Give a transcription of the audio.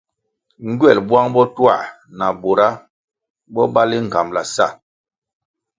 Ngywel buang botuah na bura bo bali nğambala sa.